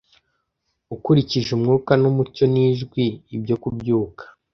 Ukurikije umwuka numucyo nijwi, ibyo kubyuka